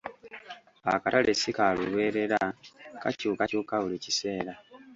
Akatale si kalubeerera kakyukakyuka buli kiseera.